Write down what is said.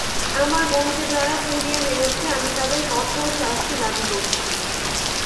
আমার বোনকে যারা পুড়িয়ে মেরেছে, আমি তাদের কঠোর শাস্তি দাবি করছি।